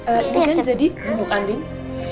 ini kan jadi jenuk kanding